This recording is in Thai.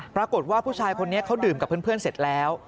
ปรากฏว่าผู้ชายคนนี้เขาดื่มกับเพื่อนเสร็จแล้ว